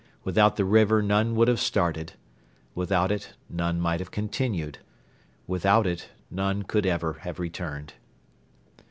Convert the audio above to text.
Without the river none would have started. Without it none might have continued. Without it none could ever have returned.